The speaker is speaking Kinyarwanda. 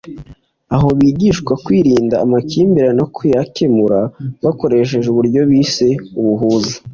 aho bigishwa kwirinda amakimbirane no kuyakemura bakoresheje uburyo bise “Ubuhuza”